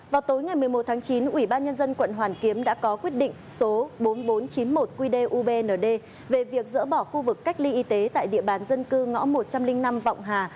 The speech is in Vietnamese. vào tối ngày một mươi một tháng chín ủy ban nhân dân quận hoàn kiếm đã có quyết định số bốn nghìn bốn trăm chín mươi một qdubnd về việc dỡ bỏ khu vực cách ly y tế tại địa bàn dân cư ngõ một trăm linh năm vọng hà